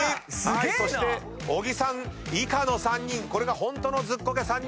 そして小木さん以下の３人これがホントのズッコケ３人組。